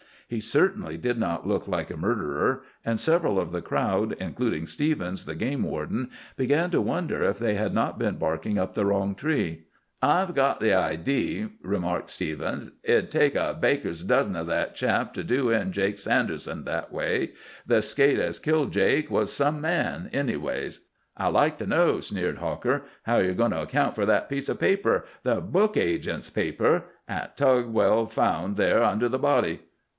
He certainly did not look like a murderer, and several of the crowd, including Stephens, the game warden, began to wonder if they had not been barking up the wrong tree. "I've got the idee," remarked Stephens, "it'd take a baker's dozen o' that chap to do in Jake Sanderson that way. The skate as killed Jake was some man, anyways." "I'd like to know," sneered Hawker, "how ye're going to account for that piece o' paper, the book agent's paper, 'at Tug Blackstock found there under the body."